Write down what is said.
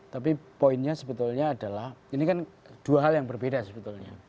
tapi poinnya sebetulnya adalah ini kan dua hal yang berbeda sebetulnya